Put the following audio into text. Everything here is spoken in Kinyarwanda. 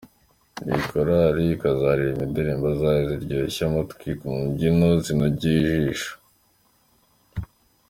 Iyi Korari ikazaririmba indirimbo zayo ziryoheye amatwi mu mbyino zinogeye ijisho.